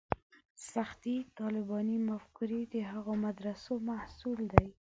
سختې طالباني مفکورې د هغو مدرسو محصول دي.